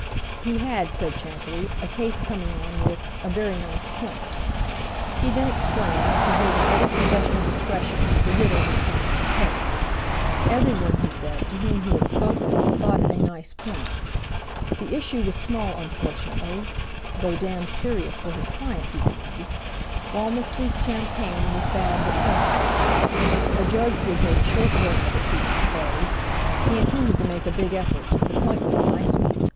He had, said Chankery, a case coming on with a "very nice point." He then explained, preserving every professional discretion, the riddle in Soames's case. Everyone, he said, to whom he had spoken, thought it a nice point. The issue was small unfortunately, "though d——d serious for his client he believed"—Walmisley's champagne was bad but plentiful. A Judge would make short work of it, he was afraid. He intended to make a big effort—the point was a nice one.